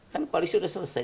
kan koalisi sudah selesai